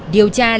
điều tra là